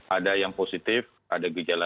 ada yang positif ada gejala